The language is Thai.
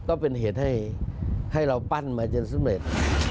ก็เป็นเหตุให้เราปั้นมาจนสุดเหมือน